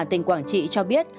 tỉnh quảng trị cho biết